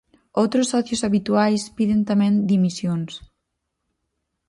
Outros socios habituais piden tamén dimisións...